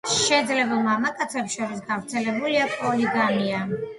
შეძლებულ მამაკაცებს შორის გავრცელებულია პოლიგამია.